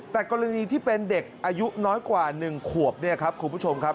แต่กรณีที่เป็นเด็กอายุน้อยกว่า๑ขวบเนี่ยครับคุณผู้ชมครับ